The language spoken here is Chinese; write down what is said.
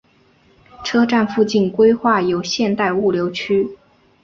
车站附近规划有现代物流区。